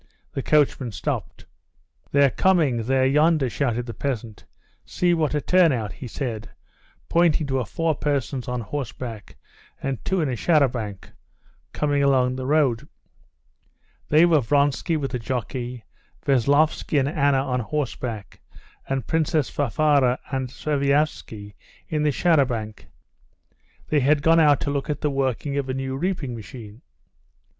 The coachman stopped. "They're coming! They're yonder!" shouted the peasant. "See what a turn out!" he said, pointing to four persons on horseback, and two in a char à banc, coming along the road. They were Vronsky with a jockey, Veslovsky and Anna on horseback, and Princess Varvara and Sviazhsky in the char à banc. They had gone out to look at the working of a new reaping machine.